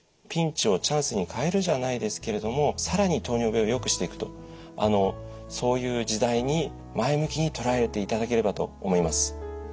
ピンチをチャンスに変えるじゃないですけれども更に糖尿病をよくしていくとそういう時代に前向きに捉えていただければと思います。